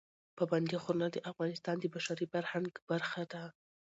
پابندی غرونه د افغانستان د بشري فرهنګ برخه ده.